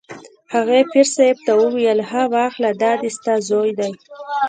هغې پیر صاحب ته وویل: ها واخله دا دی ستا زوی دی.